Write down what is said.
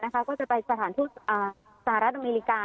ก็จะไปสถานทูตสหรัฐอเมริกา